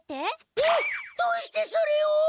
えっどうしてそれを！？